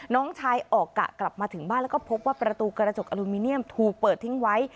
น้องชายออกกะกลับมาถึงบ้านแล้วก็พบว่าประตูกระจกอลูมิเนียมถูกเปิดทิ้งไว้